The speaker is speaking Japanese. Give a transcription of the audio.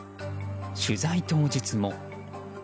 取材当日も。